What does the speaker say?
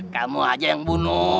kamu aja yang bunuh